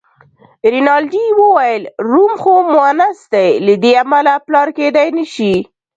رینالډي وویل: روم خو مونث دی، له دې امله پلار کېدای نه شي.